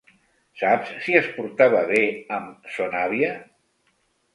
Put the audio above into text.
Saps si es portava bé amb son àvia?